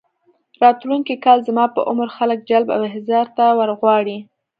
راتلونکي کال زما په عمر خلک جلب او احضار ته ورغواړي.